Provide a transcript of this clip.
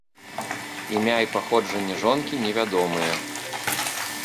Імя і паходжанне жонкі невядомыя.